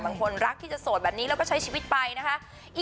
บางคนรักที่จะโสดแบบนี้แล้วก็ใช้ชีวิตไปนะคะ